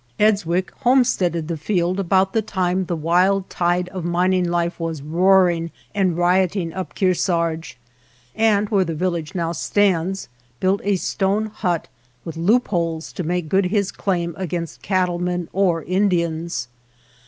Edswick homesteaded the field about the time the wild tide of mining life was roaring and rioting up Kearsarge, and where the village now stands built a stone hut, with loopholes to make good his claim ag^ainst cattle men or Indians.